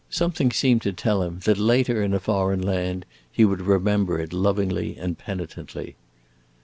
Something seemed to tell him that later, in a foreign land, he would remember it lovingly and penitently.